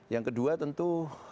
yang kedua tentu